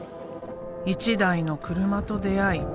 １台の車と出会い